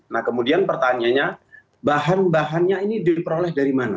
nah kemudian pertanyaannya bahan bahannya ini diperoleh dari mana